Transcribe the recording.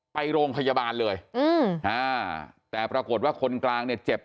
ไปโรงพยาบาลเลยอืมอ่าแต่ปรากฏว่าคนกลางเนี่ยเจ็บ